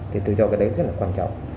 thì tôi cho cái đấy rất là quan trọng